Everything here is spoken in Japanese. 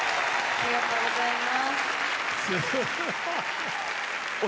ありがとうございます！